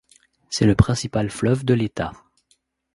C'est le principal fleuve de l'État.